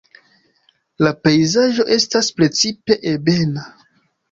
La pejzaĝo estas precipe ebena.